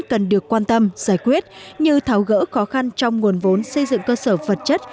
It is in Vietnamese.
cần được quan tâm giải quyết như tháo gỡ khó khăn trong nguồn vốn xây dựng cơ sở vật chất